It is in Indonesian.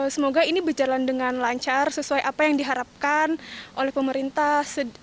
semoga ini berjalan dengan lancar sesuai apa yang diharapkan oleh pemerintah